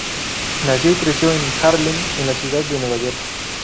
Nació y creció en Harlem, en la ciudad de Nueva York.